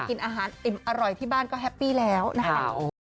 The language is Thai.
กินอาหารอิ่มอร่อยที่บ้านก็แฮปปี้แล้วนะคะ